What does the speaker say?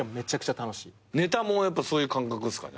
ネタもやっぱそういう感覚っすか？